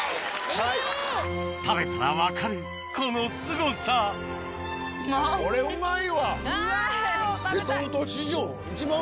食べたら分かるこのすごさうまっ！